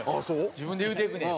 自分で言うていくねや。